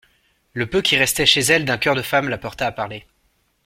Le peu qui restait chez elle d'un coeur de femme la porta à parler.